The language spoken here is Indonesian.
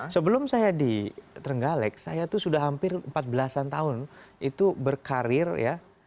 sebelum saya di trenggalek saya tuh sudah hampir empat belas an tahun itu berkarir ya